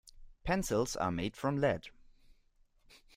Pencils are made from lead.